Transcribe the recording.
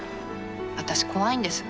私怖いんです。